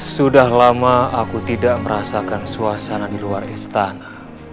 sudah lama aku tidak merasakan suasana di luar istana